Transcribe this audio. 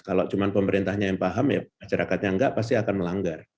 kalau cuma pemerintahnya yang paham ya masyarakatnya enggak pasti akan melanggar